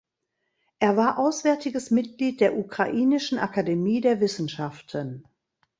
Er war auswärtiges Mitglied der Ukrainischen Akademie der Wissenschaften.